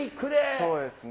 そうですね。